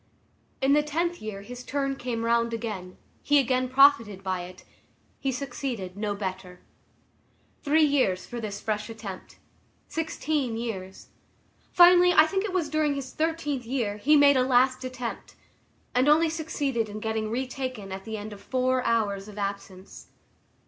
In the tenth year his turn came round again; he again profited by it; he succeeded no better. Three years for this fresh attempt. Sixteen years. Finally, I think it was during his thirteenth year, he made a last attempt, and only succeeded in getting retaken at the end of four hours of absence.